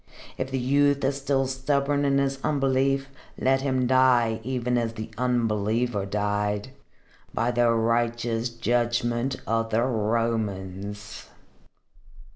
If the youth is still stubborn in his unbelief, let him die even as the Unbeliever died by the righteous judgment of the Romans."